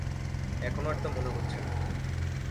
এখন আর তা মনে হচ্ছে না।